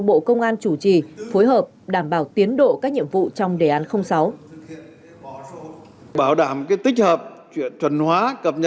bộ công an chủ trì phối hợp đảm bảo tiến độ các nhiệm vụ trong đề án sáu cập